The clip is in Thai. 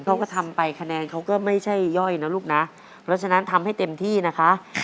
เขาก็ทำไปคะแนนเขาก็ไม่ใช่ย่อยนะลูกนะเพราะฉะนั้นทำให้เต็มที่นะคะ